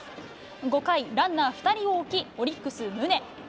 ５回、ランナー２人を置き、オリックス、宗。